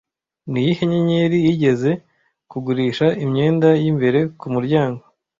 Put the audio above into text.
Niyihe nyenyeri yigeze kugurisha imyenda yimbere kumuryango